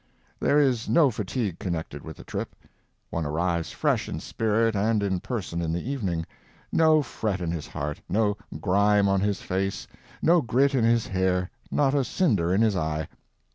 There is no fatigue connected with the trip. One arrives fresh in spirit and in person in the evening—no fret in his heart, no grime on his face, no grit in his hair, not a cinder in his eye.